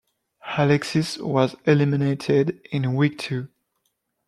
Alexis was eliminated in week two.